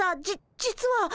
実は。